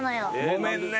ごめんね。